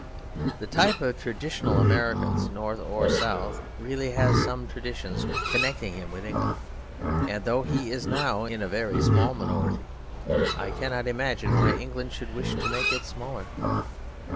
This type of traditional American, North or South, really has some traditions connecting him with England; and though he is now in a very small minority, I cannot imagine why England should wish to make it smaller.